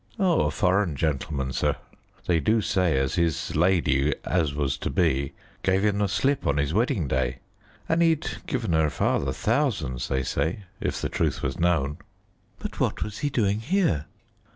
"A foreign gentleman, sir; they do say as his lady as was to be gave him the slip on his wedding day, and he'd given her father thousands they say, if the truth was known." "But what was he doing here?"